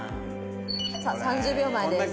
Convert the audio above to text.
さあ３０秒前です。